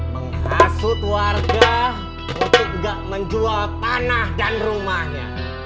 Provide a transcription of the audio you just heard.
menghasut warga untuk tidak menjual tanah dan rumahnya